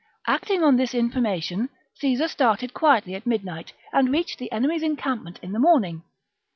Acting on this information, Caesar started quietly at midnight and reached the enemy's encampment in the morning.